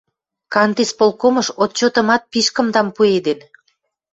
Кантисполкомыш отчетымат пиш кымдам пуэден.